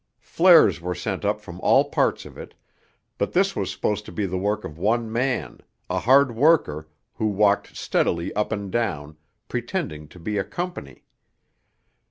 Flares were sent up from all parts of it, but this was supposed to be the work of one man, a hard worker, who walked steadily up and down, pretending to be a company.